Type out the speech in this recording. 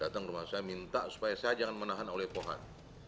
datang ke rumah saya minta supaya saya jangan menahan oleh pohan